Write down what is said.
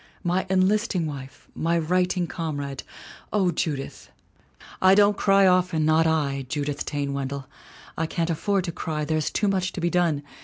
My enlisting wife, my righting comrade! O Judith!' ' "I don't cry often not I, Judith Taine Wendell. I can't afford to cry, there's too much to be done.